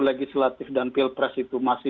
legislatif dan pilpres itu masih